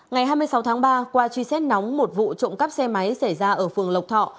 ngày hai mươi sáu tháng ba qua truy xét nóng một vụ trộm cắp xe máy xảy ra ở phường lộc thọ